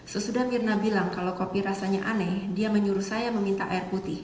sesudah mirna bilang kalau kopi rasanya aneh dia menyuruh saya meminta air putih